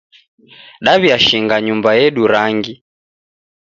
Daw'iashinga nyumba yedu rangi